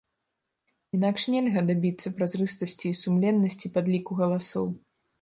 Інакш нельга дабіцца празрыстасці і сумленнасці падліку галасоў.